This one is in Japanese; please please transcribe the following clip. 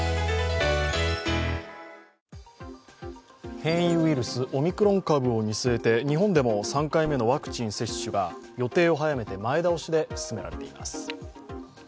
変異ウイルス、オミクロン株を見据えて日本でも３回目のワクチン接種が、予定を早めて前倒しで進められています。